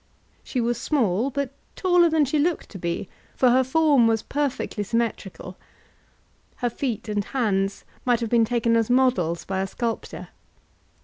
She was small, but taller than she looked to be, for her form was perfectly symmetrical. Her feet and hands might have been taken as models by a sculptor.